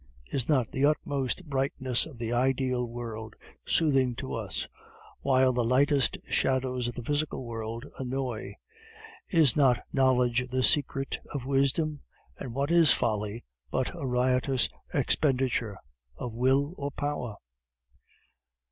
Is not the utmost brightness of the ideal world soothing to us, while the lightest shadows of the physical world annoy? Is not knowledge the secret of wisdom? And what is folly but a riotous expenditure of Will or Power?"